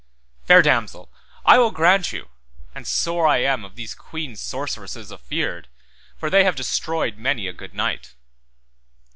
Fair damosel, I will grant you, and sore I am of these queen sorceresses afeard, for they have destroyed many a good knight.